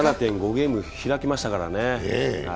ゲーム開きましたからね。